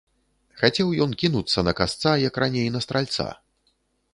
Хацеў ён кінуцца на касца, як раней на стральца.